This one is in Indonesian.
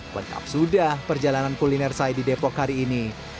lengkap sudah perjalanan kuliner saya di depok hari ini